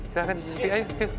silahkan kita makan